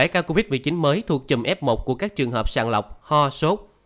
bảy ca covid một mươi chín mới thuộc chùm f một của các trường hợp sàng lọc ho sốt